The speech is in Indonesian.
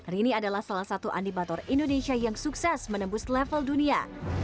rini adalah salah satu animator indonesia yang sukses menembus level dunia